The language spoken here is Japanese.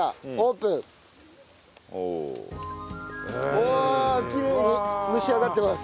うわきれいに蒸し上がってます。